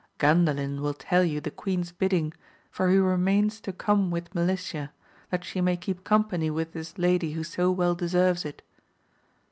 Gandalin will tell you the queen's bidding, for he remains to come with Melicia, that she may keep company with this lady who so well deserves it.